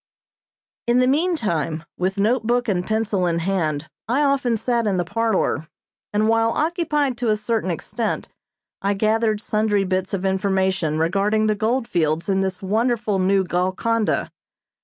In the meantime, with note book and pencil in hand I often sat in the parlor; and, while occupied to a certain extent, I gathered sundry bits of information regarding the gold fields in this wonderful new Golconda.